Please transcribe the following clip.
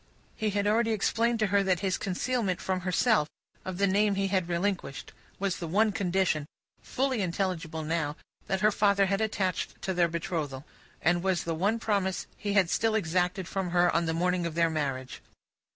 He had already explained to her that his concealment from herself of the name he had relinquished, was the one condition fully intelligible now that her father had attached to their betrothal, and was the one promise he had still exacted on the morning of their marriage.